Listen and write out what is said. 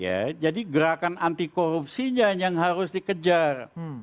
ya jadi gerakan anti korupsinya yang harus dikejar